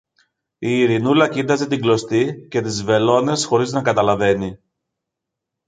Η Ειρηνούλα κοίταζε την κλωστή και τις βελόνες χωρίς να καταλαβαίνει.